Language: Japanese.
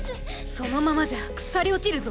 そのままじゃ腐り落ちるぞ。